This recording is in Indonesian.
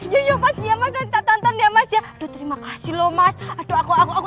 ya ya pasti ya mas nanti kita tonton ya mas ya aduh terima kasih loh mas aduh aku aku aku